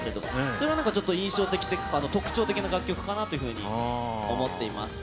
それがなんか印象的というか、特徴的な楽曲かなというふうに思っています。